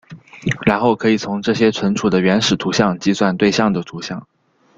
然后可以从这些存储的原始图像计算对象的图像。